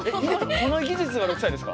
この技術が６歳ですか？